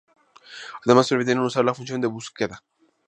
Además permiten usar la función de búsqueda.